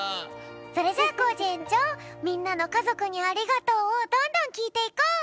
それじゃコージえんちょうみんなの「かぞくにありがとう」をどんどんきいていこう！